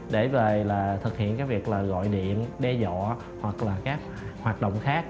để về là thực hiện cái việc là gọi điện đe dọa hoặc là các hoạt động khác